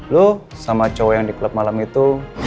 lu sama cowok yang di klub malam itu